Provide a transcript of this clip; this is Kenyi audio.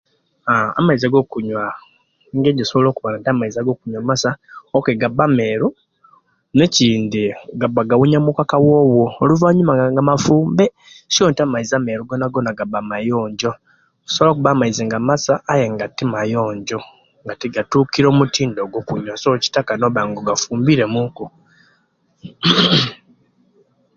"Aah amaizi gokunywa engeri ojosobola no'kuba na'maizi gakunywa amasa, ""ok"", gaba meeru ne'kindi gaba gawunyamuku akawoowo oluvaanyuma nga ofumbire ku ino so ti maizi ameru gonagona gaba mayonjjo, osobola okuba na'maizi nga masa nayenga timayonjo; nga tigatuukire omutindo gwokunywa; so kitaka no'banga ogafumbire muuku."